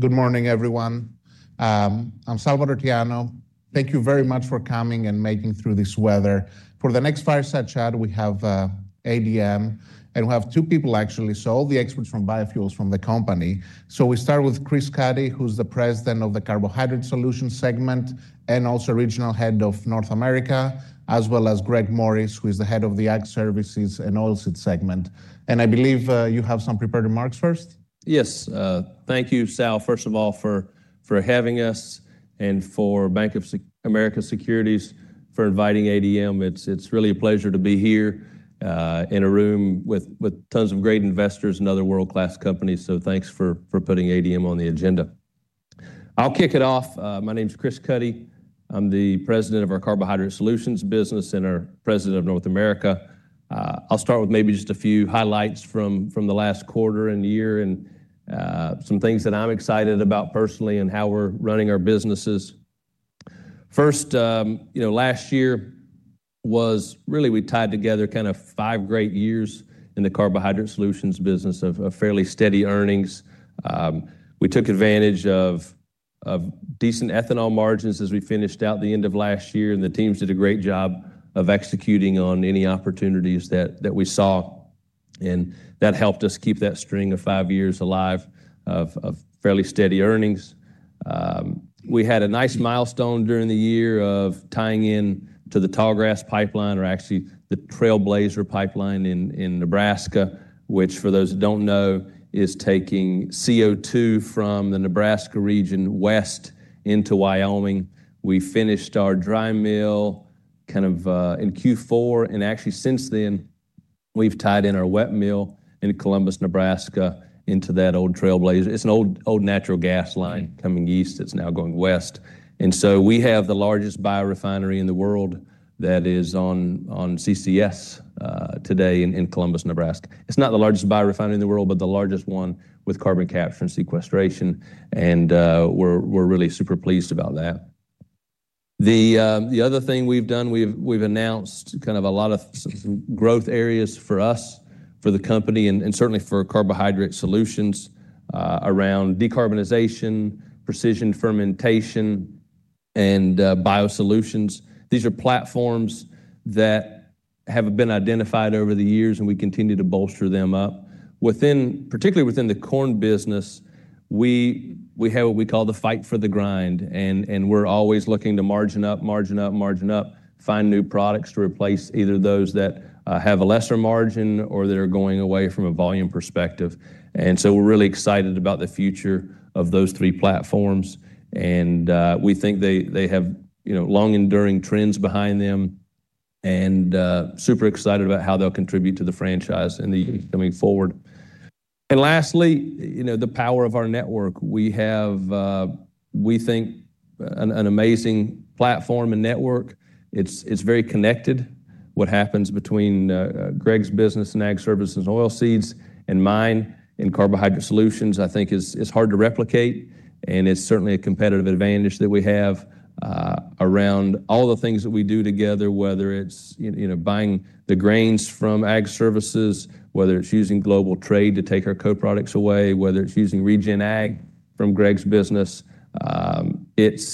Good morning, everyone. I'm Salvator Tiano. Thank you very much for coming and making it through this weather. For the next fireside chat, we have ADM, and we have two people actually, so all the experts from biofuels from the company. We start with Chris Cuddy, who's the President of the Carbohydrate Solutions segment, and also Regional Head of North America, as well as Greg Morris, who is the Head of the Ag Services and Oilseeds segment. I believe you have some prepared remarks first? Yes. Thank you, Sal, first of all, for having us and for Bank of America Securities for inviting ADM. It's really a pleasure to be here, in a room with tons of great investors and other world-class companies, so thanks for putting ADM on the agenda. I'll kick it off. My name is Chris Cuddy. I'm the President of our Carbohydrate Solutions business and our President of North America. I'll start with maybe just a few highlights from the last quarter and year and, some things that I'm excited about personally and how we're running our businesses. First, you know, last year really, we tied together kind of five great years in the Carbohydrate Solutions business of fairly steady earnings. We took advantage of decent ethanol margins as we finished out the end of last year, and the teams did a great job of executing on any opportunities that we saw, and that helped us keep that string of five years alive of fairly steady earnings. We had a nice milestone during the year of tying in to the Tallgrass Pipeline or actually the Trailblazer Pipeline in Nebraska, which, for those who don't know, is taking CO₂ from the Nebraska region west into Wyoming. We finished our dry mill kind of in Q4, and actually, since then, we've tied in our wet mill in Columbus, Nebraska, into that old Trailblazer. It's an old natural gas line coming east that's now going west. We have the largest biorefinery in the world that is on CCS today in Columbus, Nebraska. It's not the largest biorefinery in the world, but the largest one with carbon capture and sequestration, and we're really super pleased about that. The other thing we've done, we've announced kind of a lot of some growth areas for us, for the company, and certainly for Carbohydrate Solutions around decarbonization, precision fermentation, and BioSolutions. These are platforms that have been identified over the years, and we continue to bolster them up. Particularly within the corn business, we have what we call the fight for the grind, and we're always looking to margin up, margin up, margin up, find new products to replace either those that have a lesser margin or that are going away from a volume perspective. We're really excited about the future of those three platforms, and we think they have, you know, long-enduring trends behind them, and super excited about how they'll contribute to the franchise in the years coming forward. Lastly, you know, the power of our network. We have, we think, an amazing platform and network. It's very connected. What happens between Greg's business in Ag Services and Oilseeds and mine in Carbohydrate Solutions, I think is hard to replicate, and it's certainly a competitive advantage that we have around all the things that we do together, whether it's, you know, buying the grains from Ag Services, whether it's using global trade to take our co-products away, whether it's using regen ag from Greg's business. There's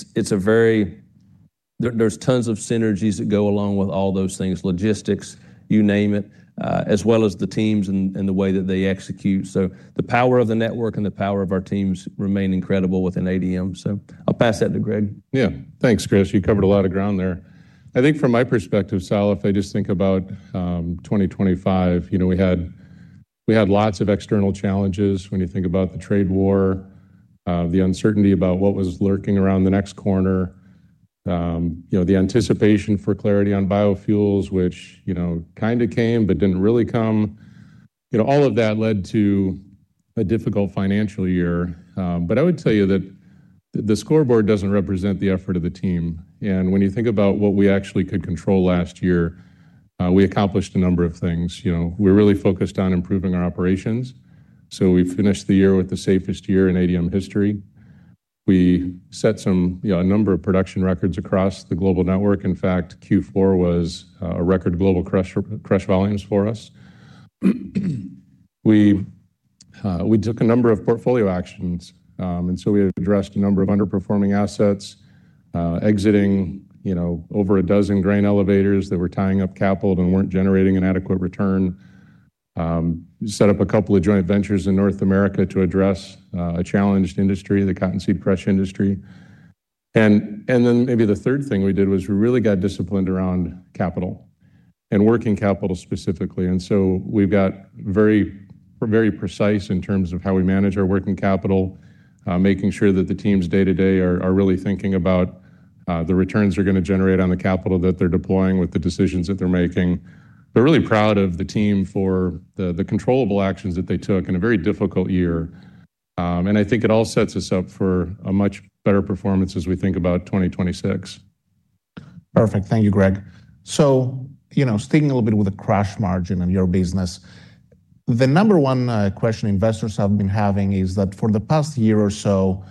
tons of synergies that go along with all those things, logistics, you name it, as well as the teams and the way that they execute. The power of the network and the power of our teams remain incredible within ADM. I'll pass that to Greg. Yeah. Thanks, Chris. You covered a lot of ground there. I think from my perspective, Sal, if I just think about 2025, you know, we had lots of external challenges when you think about the trade war, the uncertainty about what was lurking around the next corner, you know, the anticipation for clarity on biofuels, which, you know, kind of came, but didn't really come. You know, all of that led to a difficult financial year. I would tell you that the scoreboard doesn't represent the effort of the team. When you think about what we actually could control last year, we accomplished a number of things. You know, we're really focused on improving our operations. We finished the year with the safest year in ADM history. We set some, you know, a number of production records across the global network. In fact, Q4 was a record global crush volumes for us. We took a number of portfolio actions, and so we addressed a number of underperforming assets, exiting, you know, over a dozen grain elevators that were tying up capital and weren't generating an adequate return. Set up a couple of joint ventures in North America to address a challenged industry, the cottonseed crush industry. Maybe the third thing we did was we really got disciplined around capital, and working capital specifically. We've got very, very precise in terms of how we manage our working capital, making sure that the teams day to day are really thinking about the returns they're gonna generate on the capital that they're deploying with the decisions that they're making. We're really proud of the team for the controllable actions that they took in a very difficult year, and I think it all sets us up for a much better performance as we think about 2026. Perfect. Thank you, Greg. You know, sticking a little bit with the crush margin on your business, the number one question investors have been having is that for the past year or so,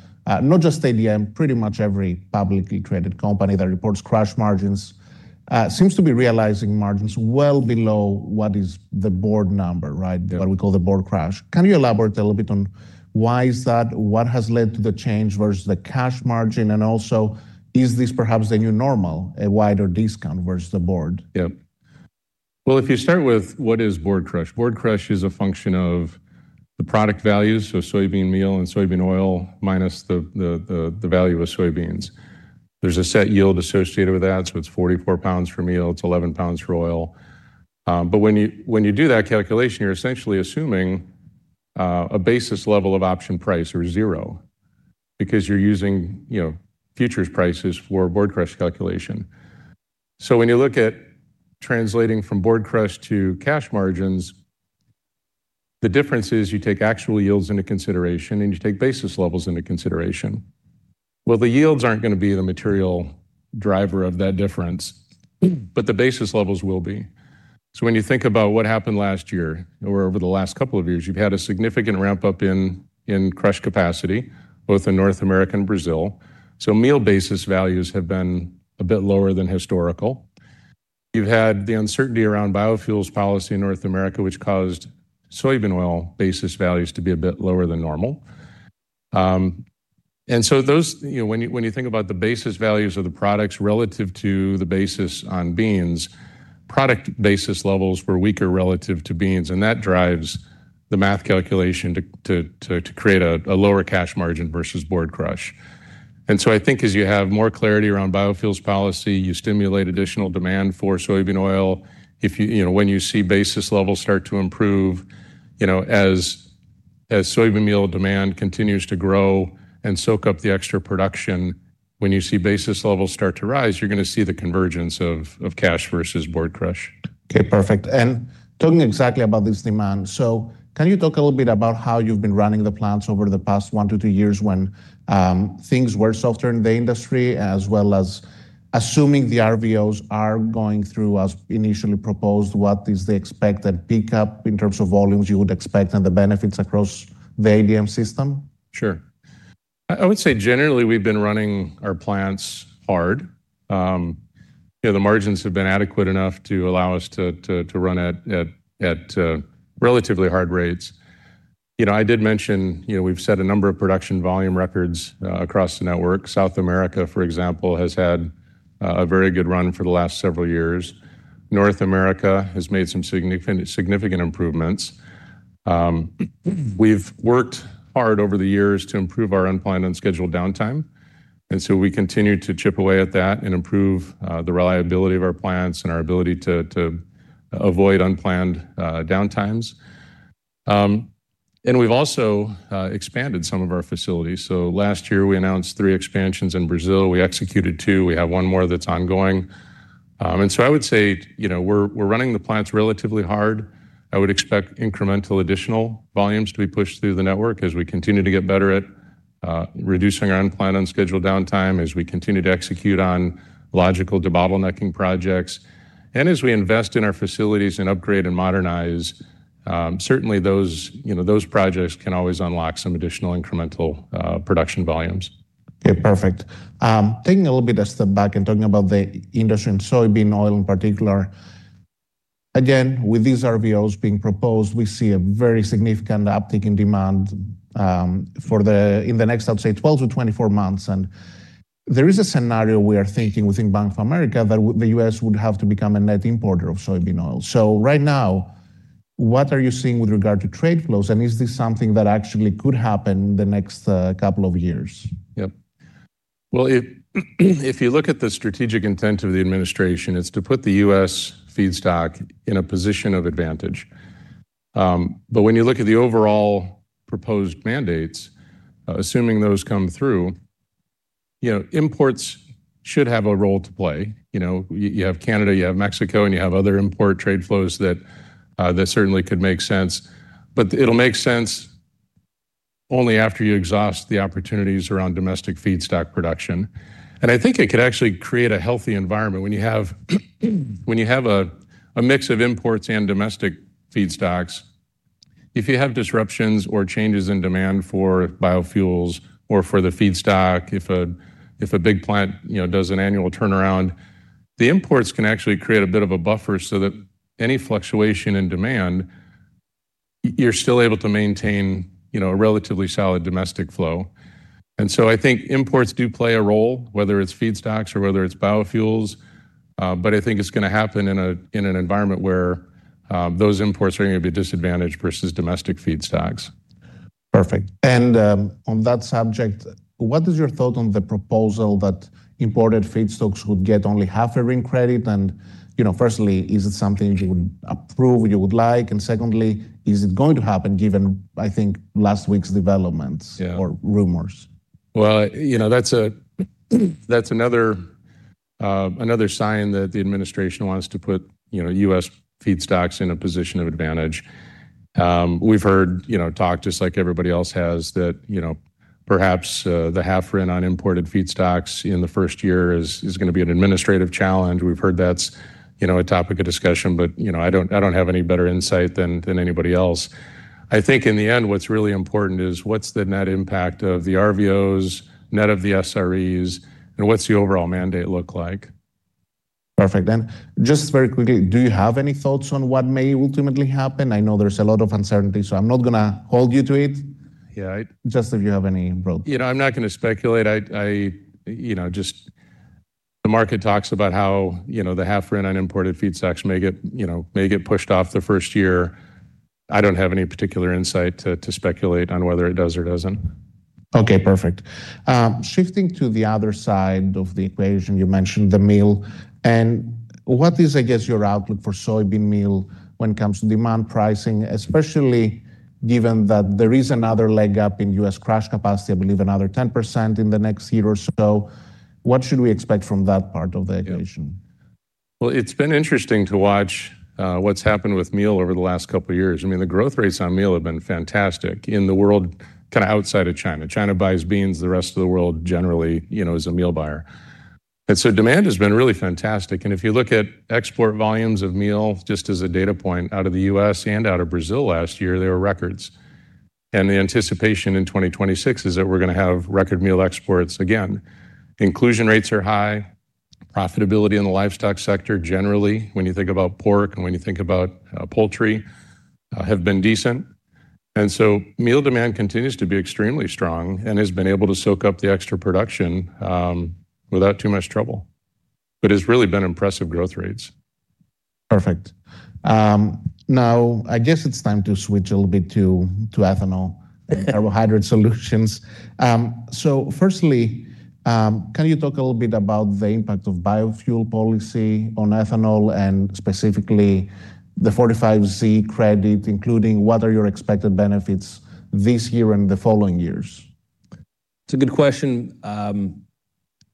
not just ADM, pretty much every publicly traded company that reports crush margins, seems to be realizing margins well below what is the board number, right? What we call the board crush. Can you elaborate a little bit on why is that? What has led to the change versus the cash margin? Is this perhaps the new normal, a wider discount versus the board? If you start with what is board crush. Board crush is a function of the product value, so soybean meal and soybean oil, minus the value of soybeans. There's a set yield associated with that, so it's 44 pounds for meal, it's 11 pounds for oil. When you do that calculation, you're essentially assuming a basis level of option price or zero because you're using, you know, futures prices for board crush calculation. When you look at translating from board crush to cash margins, the difference is you take actual yields into consideration, and you take basis levels into consideration. The yields aren't gonna be the material driver of that difference, but the basis levels will be. When you think about what happened last year or over the last couple of years, you've had a significant ramp-up in crush capacity, both in North America and Brazil. Meal basis values have been a bit lower than historical. You've had the uncertainty around biofuels policy in North America, which caused soybean oil basis values to be a bit lower than normal. You know, when you think about the basis values of the products relative to the basis on beans, product basis levels were weaker relative to beans, and that drives the math calculation to create a lower cash margin versus board crush. I think as you have more clarity around biofuels policy, you stimulate additional demand for soybean oil. You know, when you see basis levels start to improve, you know, as soybean meal demand continues to grow and soak up the extra production, when you see basis levels start to rise, you're gonna see the convergence of cash versus board crush. Okay, perfect. Talking exactly about this demand, can you talk a little bit about how you've been running the plants over the past one to two years when things were softer in the industry, as well as assuming the RVOs are going through as initially proposed, what is the expected pickup in terms of volumes you would expect and the benefits across the ADM system? Sure. I would say generally, we've been running our plants hard. You know, the margins have been adequate enough to allow us to run at relatively hard rates. You know, I did mention, you know, we've set a number of production volume records across the network. South America, for example, has had a very good run for the last several years. North America has made some significant improvements. We've worked hard over the years to improve our unplanned, unscheduled downtime, we continue to chip away at that and improve the reliability of our plants and our ability to avoid unplanned downtimes. We've also expanded some of our facilities. Last year, we announced three expansions in Brazil. We executed two. We have one more that's ongoing. I would say, you know, we're running the plants relatively hard. I would expect incremental additional volumes to be pushed through the network as we continue to get better at reducing our unplanned, unscheduled downtime, as we continue to execute on logical debottlenecking projects. As we invest in our facilities and upgrade and modernize, certainly, those, you know, those projects can always unlock some additional incremental production volumes. Okay, perfect. Taking a little bit of a step back and talking about the industry and soybean oil in particular. Again, with these RVOs being proposed, we see a very significant uptick in demand, in the next, I'd say, 12 to 24 months. There is a scenario we are thinking within Bank of America, that the U.S. would have to become a net importer of soybean oil. Right now, what are you seeing with regard to trade flows, and is this something that actually could happen the next couple of years? Yep. Well, if you look at the strategic intent of the administration, it's to put the U.S. feedstock in a position of advantage. When you look at the overall proposed mandates, assuming those come through, you know, imports should have a role to play. You know, you have Canada, you have Mexico, and you have other import trade flows that certainly could make sense. It'll make sense only after you exhaust the opportunities around domestic feedstock production. I think it could actually create a healthy environment. When you have a mix of imports and domestic feedstocks, if you have disruptions or changes in demand for biofuels or for the feedstock, if a big plant, you know, does an annual turnaround, the imports can actually create a bit of a buffer so that any fluctuation in demand, you're still able to maintain, you know, a relatively solid domestic flow. I think imports do play a role, whether it's feedstocks or whether it's biofuels, but I think it's gonna happen in an environment where those imports are gonna be disadvantaged versus domestic feedstocks. Perfect. On that subject, what is your thought on the proposal that imported feedstocks would get only half a RIN credit? You know, firstly, is it something you would approve or you would like? Secondly, is it going to happen, given, I think, last week's developments. Yeah or rumors? Well, you know, that's another sign that the administration wants to put, you know, U.S. feedstocks in a position of advantage. We've heard, you know, talk just like everybody else has, that, you know, perhaps, the half RIN on imported feedstocks in the first year is gonna be an administrative challenge. We've heard that's, you know, a topic of discussion, but, you know, I don't have any better insight than anybody else. I think in the end, what's really important is what's the net impact of the RVOs, net of the SREs, and what's the overall mandate look like? Perfect. Just very quickly, do you have any thoughts on what may ultimately happen? I know there's a lot of uncertainty, so I'm not going to hold you to it. Yeah. Just if you have any, well- You know, I'm not going to speculate. I, you know, The market talks about how, you know, the half RIN on imported feedstocks may get pushed off the first year. I don't have any particular insight to speculate on whether it does or doesn't. Okay, perfect. Shifting to the other side of the equation, you mentioned the meal. What is, I guess, your outlook for soybean meal when it comes to demand pricing, especially given that there is another leg up in U.S. crush capacity, I believe another 10% in the next year or so? What should we expect from that part of the equation? Well, it's been interesting to watch what's happened with meal over the last couple of years. I mean, the growth rates on meal have been fantastic in the world, kind of outside of China. China buys beans, the rest of the world generally, you know, is a meal buyer. Demand has been really fantastic. If you look at export volumes of meal, just as a data point, out of the U.S. and out of Brazil last year, they were records. The anticipation in 2026 is that we're going to have record meal exports again. Inclusion rates are high. Profitability in the livestock sector, generally, when you think about pork and when you think about poultry, have been decent. Meal demand continues to be extremely strong and has been able to soak up the extra production without too much trouble. It's really been impressive growth rates. Perfect. Now, I guess it's time to switch a little bit to ethanol and Carbohydrate Solutions. Firstly, can you talk a little bit about the impact of biofuel policy on ethanol and specifically the 45Z credit, including what are your expected benefits this year and the following years? It's a good question.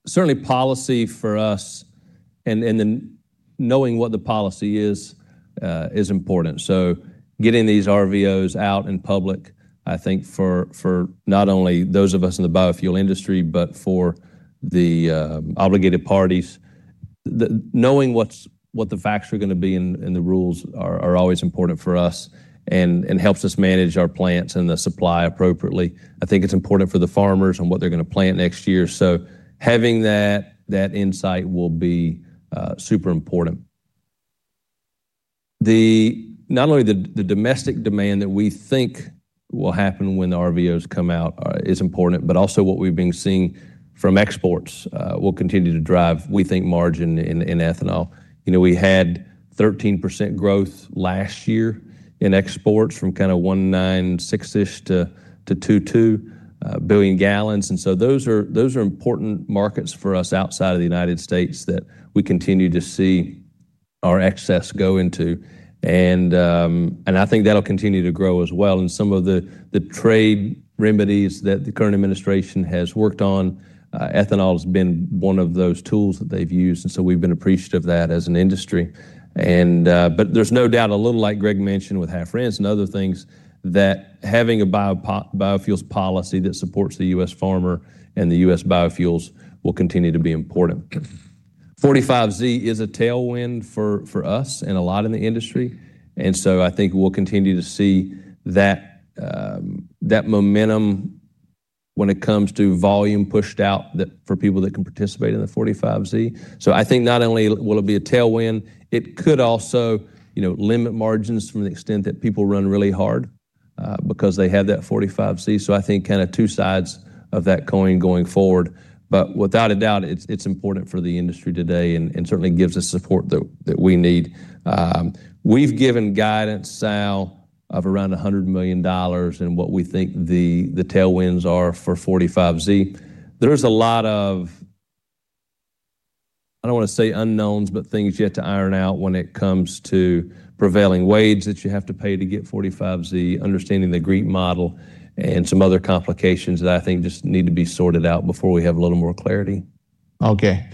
Certainly policy for us and then knowing what the policy is important. Getting these RVOs out in public, I think for not only those of us in the biofuel industry, but for the obligated parties, knowing what the facts are going to be and the rules are always important for us and helps us manage our plants and the supply appropriately. I think it's important for the farmers on what they're going to plant next year. Having that insight will be super important. Not only the domestic demand that we think will happen when the RVOs come out, is important, but also what we've been seeing from exports, will continue to drive, we think, margin in ethanol. You know, we had 13% growth last year in exports from kind of 1.96-ish to 2.2 billion gallons. Those are important markets for us outside of the United States that we continue to see our excess go into. I think that'll continue to grow as well. Some of the trade remedies that the current administration has worked on, ethanol has been one of those tools that they've used. We've been appreciative of that as an industry. There's no doubt, a little like Greg mentioned, with half RIN and other things, that having a biofuels policy that supports the U.S. farmer and the U.S. biofuels will continue to be important. 45Z is a tailwind for us and a lot in the industry. I think we'll continue to see that momentum when it comes to volume pushed out, that for people that can participate in the 45Z. I think not only will it be a tailwind, it could also, you know, limit margins from the extent that people run really hard because they have that 45Z. I think kind of two sides of that coin going forward. Without a doubt, it's important for the industry today and certainly gives us support that we need. We've given guidance, Sal, of around $100 million in what we think the tailwinds are for 45Z. There's a lot of. I don't want to say unknowns, but things yet to iron out when it comes to prevailing wage that you have to pay to get 45Z, understanding the GREET model, and some other complications that I think just need to be sorted out before we have a little more clarity. Okay.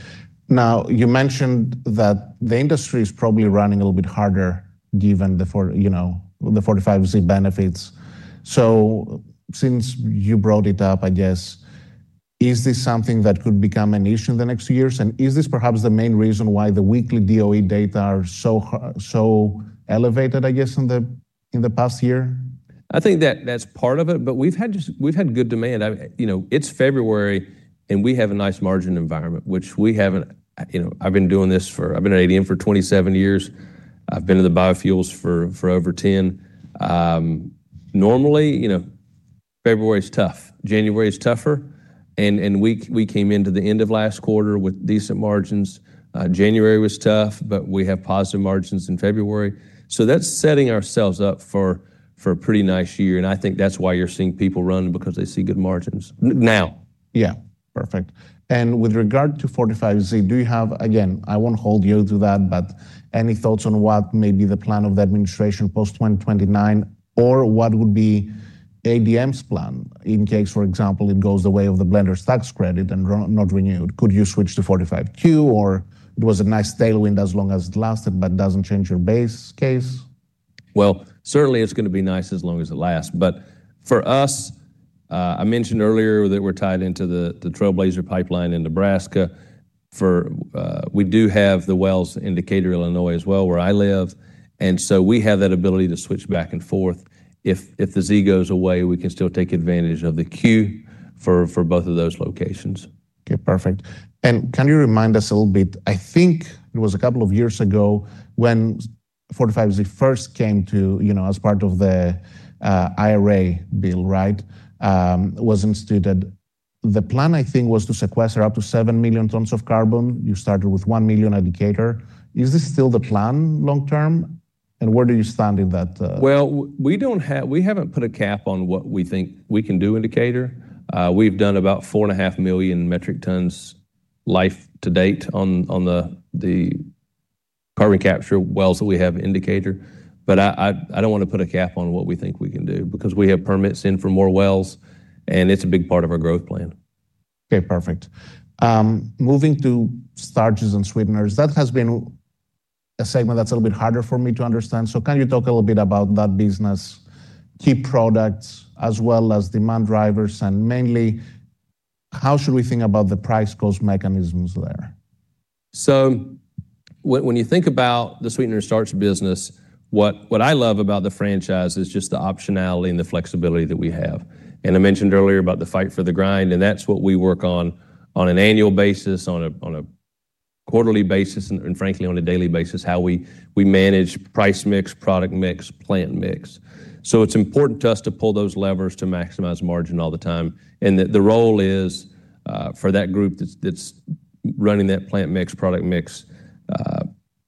Now, you mentioned that the industry is probably running a little bit harder given, you know, the 45Z benefits. Since you brought it up, I guess, is this something that could become an issue in the next years? Is this perhaps the main reason why the weekly DOE data are so elevated, I guess, in the past year? I think that that's part of it. We've had good demand. You know, it's February, and we have a nice margin environment, which we haven't. You know, I've been doing this. I've been at ADM for 27 years. I've been in the biofuels for over 10. Normally, you know, February is tough. January is tougher, and we came into the end of last quarter with decent margins. January was tough. We have positive margins in February. That's setting ourselves up for a pretty nice year, and I think that's why you're seeing people run because they see good margins now. Yeah, perfect. With regard to 45Z, Again, I won't hold you to that, but any thoughts on what may be the plan of the administration post-2029, or what would be ADM's plan in case, for example, it goes the way of the Blender's Tax Credit and not renewed? Could you switch to 45Q, or it was a nice tailwind as long as it lasted, but doesn't change your base case? Well, certainly it's going to be nice as long as it lasts. For us, I mentioned earlier that we're tied into the Trailblazer Pipeline in Nebraska. For, we do have the wells in Decatur, Illinois, as well, where I live. We have that ability to switch back and forth. If the Z goes away, we can still take advantage of the Q for both of those locations. Okay, perfect. Can you remind us a little bit? I think it was a couple of years ago when 45Z first came to, you know, as part of the IRA bill, right, was instituted. The plan, I think, was to sequester up to 7 million tons of carbon. You started with 1 million at Decatur. Is this still the plan long term, and where do you stand in that? Well, we haven't put a cap on what we think we can do in Decatur. We've done about 4.5 million metric tons life to date on the carbon capture wells that we have in Decatur. I don't want to put a cap on what we think we can do, because we have permits in for more wells, and it's a big part of our growth plan. Okay, perfect. Moving to starches and sweeteners, that has been a segment that's a little bit harder for me to understand. Can you talk a little bit about that business, key products, as well as demand drivers, and mainly, how should we think about the price-cost mechanisms there? When you think about the sweetener and starch business, what I love about the franchise is just the optionality and the flexibility that we have. I mentioned earlier about the fight for the grind, and that's what we work on an annual basis, on a quarterly basis, and frankly, on a daily basis, how we manage price mix, product mix, plant mix. It's important to us to pull those levers to maximize margin all the time, and the role is for that group that's running that plant mix, product mix,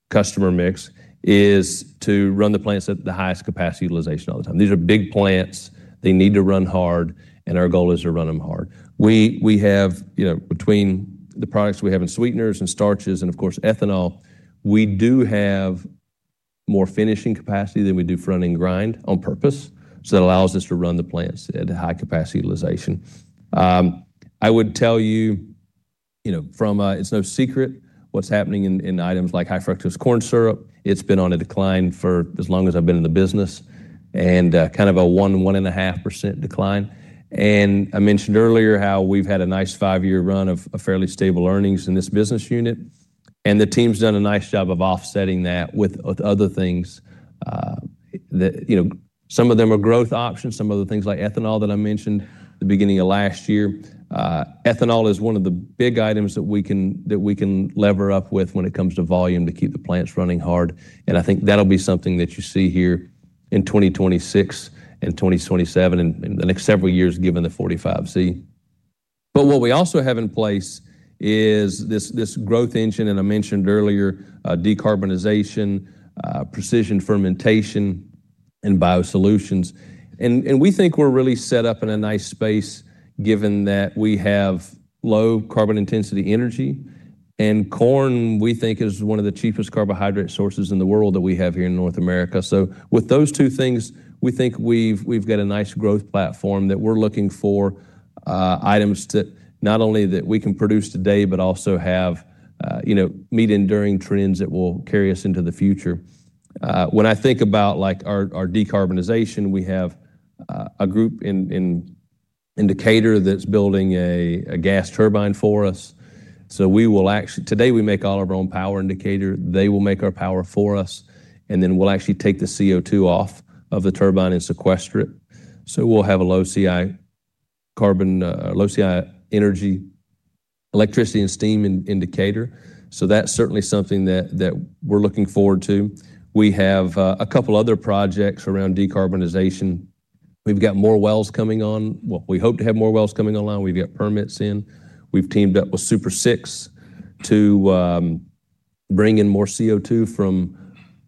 customer mix, is to run the plants at the highest capacity utilization all the time. These are big plants. They need to run hard, and our goal is to run them hard. We have, you know, between the products we have in sweeteners and starches and, of course, Ethanol, we do have more finishing capacity than we do front-end grind on purpose, so that allows us to run the plants at high capacity utilization. I would tell you know, from a. It's no secret what's happening in items like high-fructose corn syrup. It's been on a decline for as long as I've been in the business, and kind of a 1.5% decline. I mentioned earlier how we've had a nice five-year run of fairly stable earnings in this business unit, and the team's done a nice job of offsetting that with other things. The, you know, some of them are growth options. Some of the things like Ethanol that I mentioned the beginning of last year. Ethanol is one of the big items that we can lever up with when it comes to volume to keep the plants running hard, and I think that'll be something that you see here in 2026 and 2027 and the next several years, given the 45Z. What we also have in place is this growth engine, and I mentioned earlier, decarbonization, precision fermentation, and BioSolutions. We think we're really set up in a nice space, given that we have low carbon intensity energy, and corn, we think, is one of the cheapest carbohydrate sources in the world that we have here in North America. With those two things, we think we've got a nice growth platform that we're looking for items to not only that we can produce today, but also have, you know, meet enduring trends that will carry us into the future. When I think about, like, our decarbonization, we have a group in Decatur that's building a gas turbine for us. Today, we make all of our own power in Decatur. They will make our power for us, and then we'll actually take the CO₂ off of the turbine and sequester it. We'll have a low CI carbon, low CI energy, electricity and steam in Decatur. That's certainly something that we're looking forward to. We have a couple other projects around decarbonization. We've got more wells coming on. Well, we hope to have more wells coming online. We've got permits in. We've teamed up with Super6 Carbon to bring in more CO₂ from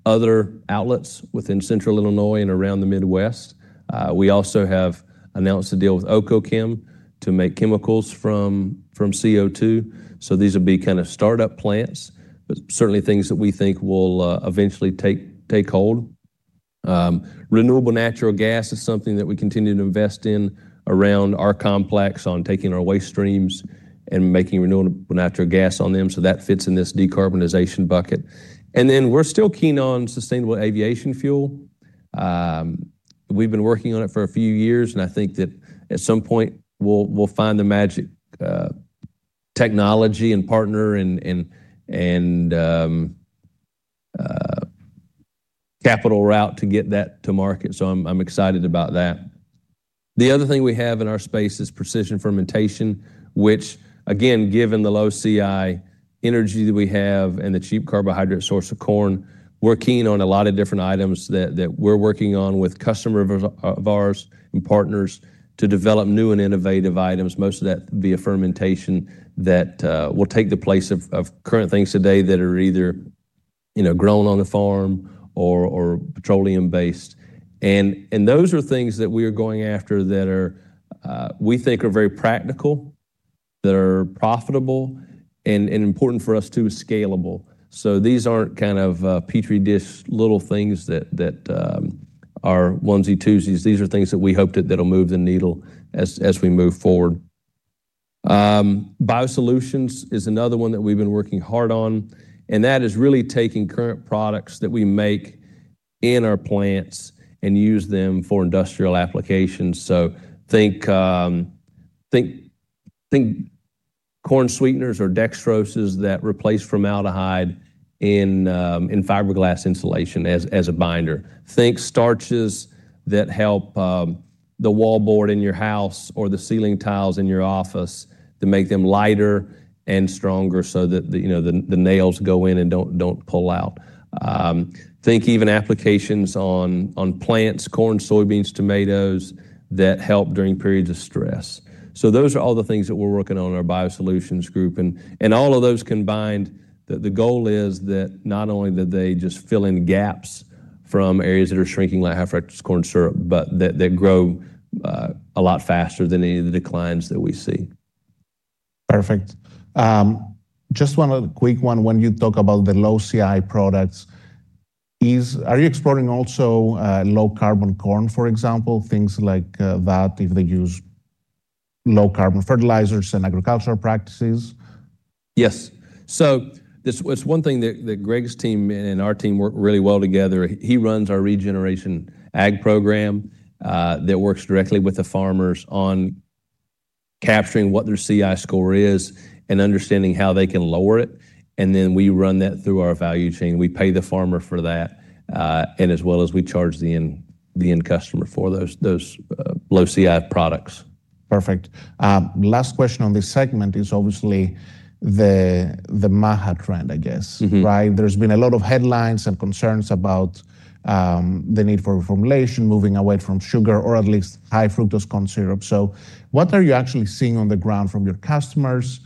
other outlets within central Illinois and around the Midwest. We also have announced a deal with OCOchem to make chemicals from CO₂. These will be kind of start-up plants, but certainly things that we think will eventually take hold. Renewable natural gas is something that we continue to invest in around our complex on taking our waste streams and making renewable natural gas on them, so that fits in this decarbonization bucket. We're still keen on Sustainable Aviation Fuel. We've been working on it for a few years, and I think that at some point, we'll find the magic technology and partner and capital route to get that to market. I'm excited about that. The other thing we have in our space is precision fermentation, which again, given the low CI energy that we have and the cheap carbohydrate source of corn, we're keen on a lot of different items that we're working on with customers of ours and partners to develop new and innovative items. Most of that via fermentation, which will take the place of current things today that are either, you know, grown on the farm or petroleum-based. Those are things that we are going after that are, we think are very practical, that are profitable, and important for us, too, is scalable. These aren't kind of Petri dish, little things that are onesie, twosies. These are things that we hope that'll move the needle as we move forward. BioSolutions is another one that we've been working hard on, and that is really taking current products that we make in our plants and use them for industrial applications. Think corn sweeteners or dextrose that replace formaldehyde in fiberglass insulation as a binder. Think starches that help the wallboard in your house or the ceiling tiles in your office to make them lighter and stronger so that the, you know, the nails go in and don't pull out. Think even applications for plants, corn, soybeans, tomatoes, that help during periods of stress. Those are all the things that we're working on in our BioSolutions group and all of those combined, the goal is that not only that they fill in gaps from areas that are shrinking, like high-fructose corn syrup, but that they grow a lot faster than any of the declines that we see. Perfect. Just one other quick one. When you talk about the low CI products, Are you exploring also, low-carbon corn, for example, things like, that, if they use low-carbon fertilizers and agricultural practices? Yes. It's one thing that Greg's team and our team work really well together. He runs our regenerative agriculture program that works directly with the farmers on capturing what their CI score is and understanding how they can lower it, and then we run that through our value chain. We pay the farmer for that, and as well as we charge the end customer for those low CI products. Perfect. Last question on this segment is obviously the MAHA trend, I guess. Mm-hmm. Right? There's been a lot of headlines and concerns about the need for reformulation, moving away from sugar or at least high-fructose corn syrup. What are you actually seeing on the ground from your customers,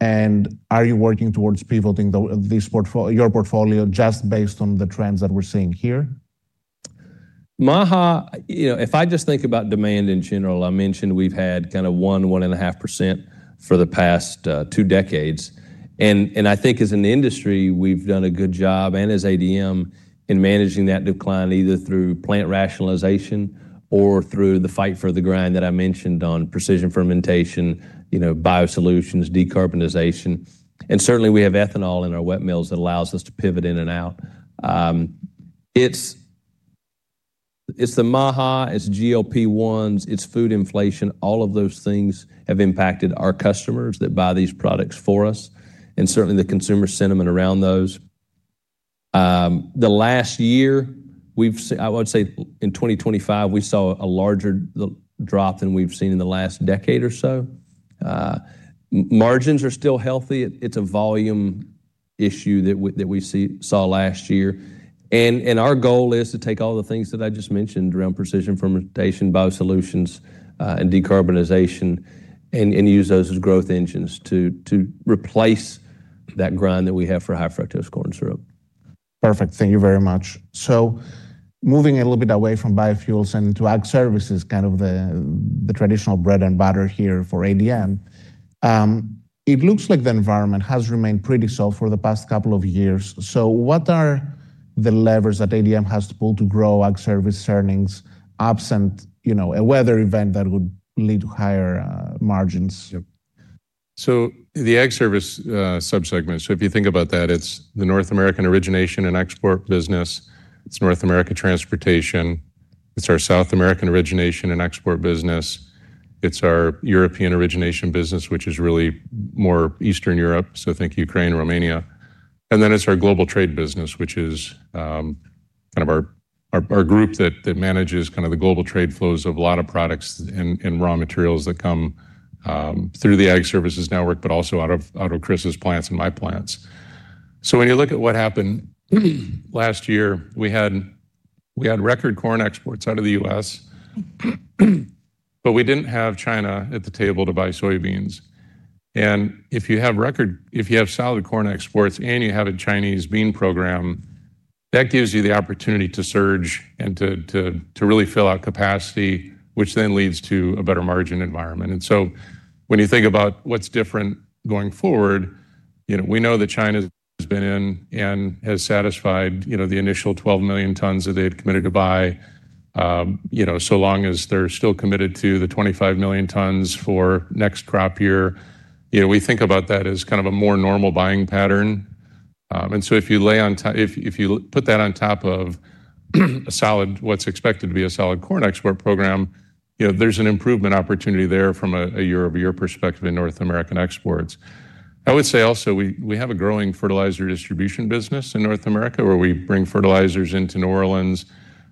and are you working towards pivoting your portfolio, just based on the trends that we're seeing here? MAHA, you know, if I just think about demand in general, I mentioned we've had kind of 1.5% for the past two decades. I think as an industry, we've done a good job, and as ADM, in managing that decline, either through plant rationalization or through the fight for the grind that I mentioned on precision fermentation, you know, BioSolutions, decarbonization, and certainly we have ethanol in our wet mills that allows us to pivot in and out. It's the MAHA, it's GLP-1s, it's food inflation. All of those things have impacted our customers that buy these products for us, and certainly the consumer sentiment around those. The last year, I would say in 2025, we saw a larger drop than we've seen in the last decade or so. Margins are still healthy. It's a volume issue that we saw last year. Our goal is to take all the things that I just mentioned around precision fermentation, BioSolutions, and decarbonization, and use those as growth engines to replace that grind that we have for high-fructose corn syrup. Perfect. Thank you very much. Moving a little bit away from biofuels and to ag services, kind of the traditional bread and butter here for ADM, it looks like the environment has remained pretty slow for the past couple of years. What are the levers that ADM has to pull to grow ag service earnings absent a weather event that would lead to higher margins? Yep. The Ag Services subsegment, if you think about that, it's the North American origination and export business, it's North American transportation, it's our South American origination and export business, it's our European origination business, which is really more Eastern Europe, think Ukraine, Romania. It's our global trade business, which is kind of our group that manages kind of the global trade flows of a lot of products and raw materials that come through the Ag Services network, also out of Chris's plants and my plants. When you look at what happened last year, we had record corn exports out of the U.S., we didn't have China at the table to buy soybeans. If you have solid corn exports and you have a Chinese bean program, that gives you the opportunity to surge and to really fill out capacity, which then leads to a better margin environment. When you think about what's different going forward, you know, we know that China has been in and has satisfied, you know, the initial 12 million tons that they had committed to buy, you know, so long as they're still committed to the 25 million tons for next crop year. You know, we think about that as kind of a more normal buying pattern. If you put that on top of what's expected to be a solid corn export program, you know, there's an improvement opportunity there from a year-over-year perspective in North American exports. I would say also, we have a growing fertilizer distribution business in North America, where we bring fertilizers into New Orleans,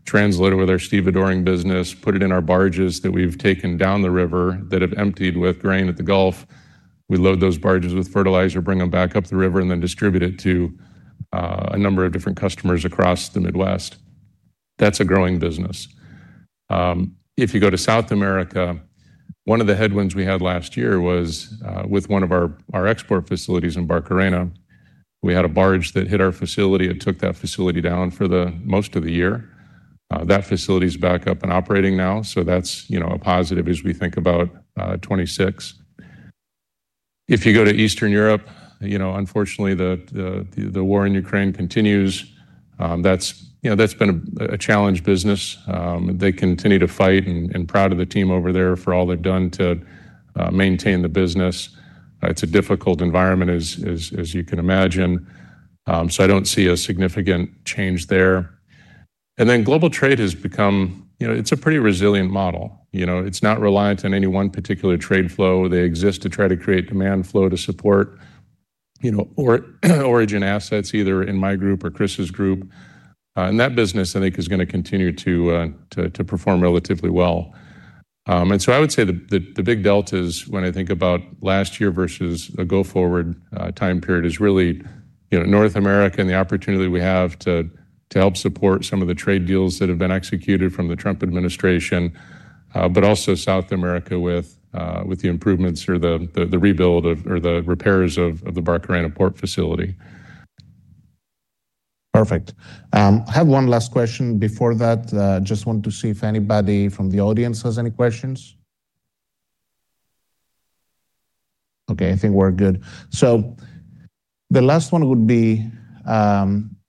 translate it with our stevedoring business, put it in our barges that we've taken down the river, that have emptied with grain at the Gulf. We load those barges with fertilizer, bring them back up the river, and then distribute it to a number of different customers across the Midwest. That's a growing business. If you go to South America, one of the headwinds we had last year was with one of our export facilities in Barcarena. We had a barge that hit our facility and took that facility down for the most of the year. That facility is back up and operating now, so that's, you know, a positive as we think about 26. If you go to Eastern Europe, you know, unfortunately, the war in Ukraine continues. That's, you know, that's been a challenged business. They continue to fight, and proud of the team over there for all they've done to maintain the business. It's a difficult environment, as you can imagine, so I don't see a significant change there. Global trade has become. You know, it's a pretty resilient model. You know, it's not reliant on any one particular trade flow. They exist to try to create demand flow to support. You know, or origin assets, either in my group or Chris's group. That business, I think, is gonna continue to perform relatively well. I would say the big deltas when I think about last year versus a go-forward time period, is really, you know, North America and the opportunity we have to help support some of the trade deals that have been executed from the Trump administration. Also South America with the improvements or the rebuild of or the repairs of the Barcarena port facility. Perfect. I have one last question. Before that, just want to see if anybody from the audience has any questions. Okay, I think we're good. The last one would be,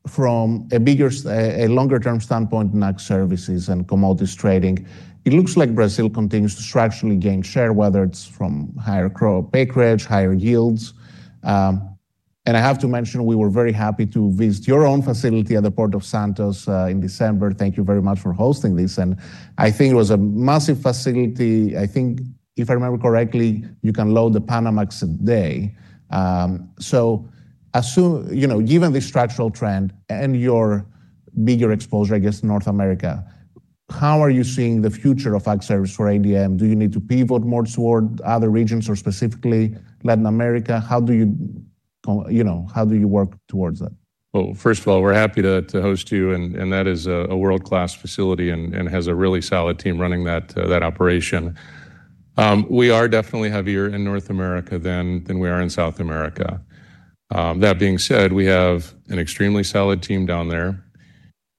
a longer-term standpoint in Ag Services and commodities trading. It looks like Brazil continues to structurally gain share, whether it's from higher crop acreage, higher yields. I have to mention, we were very happy to visit your own facility at the Port of Santos in December. Thank you very much for hosting this, and I think it was a massive facility. I think, if I remember correctly, you can load the Panamax a day. You know, given this structural trend and your bigger exposure, I guess, to North America, how are you seeing the future of Ag Service for ADM? Do you need to pivot more toward other regions or specifically Latin America? How do you know, how do you work towards that? Well, first of all, we're happy to host you, and that is a world-class facility and has a really solid team running that operation. We are definitely heavier in North America than we are in South America. That being said, we have an extremely solid team down there.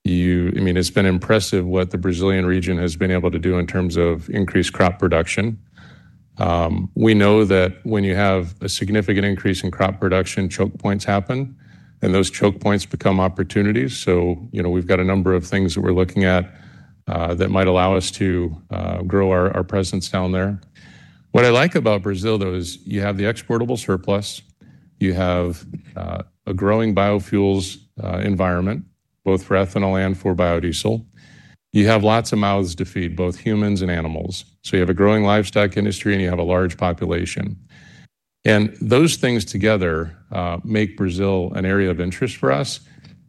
I mean, it's been impressive what the Brazilian region has been able to do in terms of increased crop production. We know that when you have a significant increase in crop production, choke points happen, and those choke points become opportunities. You know, we've got a number of things that we're looking at that might allow us to grow our presence down there. What I like about Brazil, though, is you have the exportable surplus, you have a growing biofuels environment, both for ethanol and for biodiesel. You have lots of mouths to feed, both humans and animals, so you have a growing livestock industry, and you have a large population. Those things together make Brazil an area of interest for us,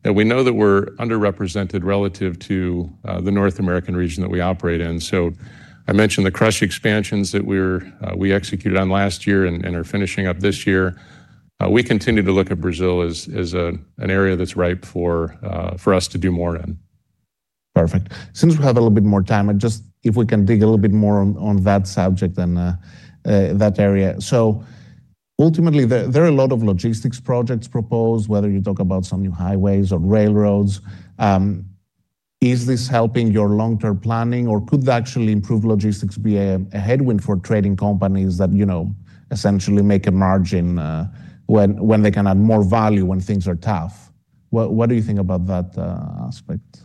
that we know that we're underrepresented relative to the North American region that we operate in. I mentioned the crush expansions that we're we executed on last year and are finishing up this year. We continue to look at Brazil as an area that's ripe for us to do more in. Perfect. Since we have a little bit more time, just if we can dig a little bit more on that subject and that area. Ultimately, there are a lot of logistics projects proposed, whether you talk about some new highways or railroads. Is this helping your long-term planning, or could actually improved logistics be a headwind for trading companies that, you know, essentially make a margin when they can add more value, when things are tough? What do you think about that aspect?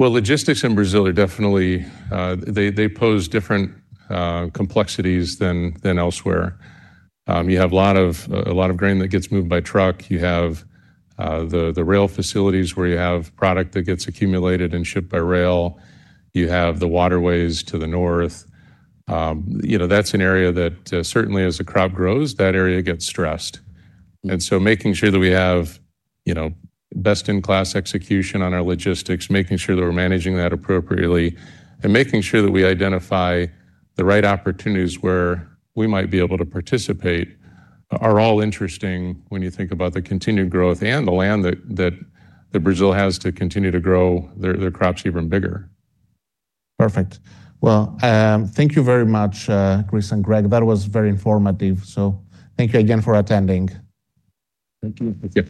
Well, logistics in Brazil are definitely. They pose different complexities than elsewhere. You have a lot of grain that gets moved by truck. You have the rail facilities, where you have product that gets accumulated and shipped by rail. You have the waterways to the north. You know, that's an area that certainly as the crop grows, that area gets stressed. Making sure that we have, you know, best-in-class execution on our logistics, making sure that we're managing that appropriately, and making sure that we identify the right opportunities where we might be able to participate, are all interesting when you think about the continued growth and the land that Brazil has to continue to grow its crops even bigger. Perfect. Well, thank you very much, Chris and Greg. That was very informative, so thank you again for attending. Thank you. Thank you.